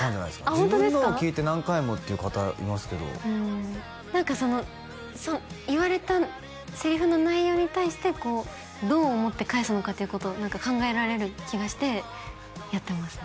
自分のを聞いて何回もっていう方いますけど何かその言われたセリフの内容に対してこうどう思って返すのかっていうことを何か考えられる気がしてやってますね